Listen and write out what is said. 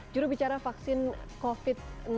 juru bicara vaksin covid sembilan belas